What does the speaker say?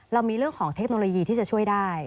เรามีเรื่องของเทคโนโลยีที่จะช่วยได้